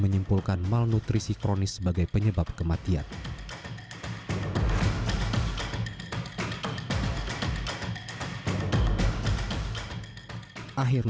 namun kondisinya memburuk